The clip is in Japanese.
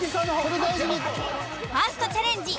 ファーストチャレンジ